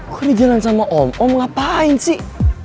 kok di jalan sama om om ngapain sih